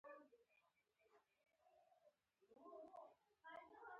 دوه ساعته وروسته ډاکټر والنتیني راغی، خورا په بېړه کې و.